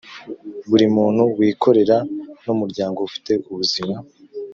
Buri muntu wikorera n umuryango ufite ubuzima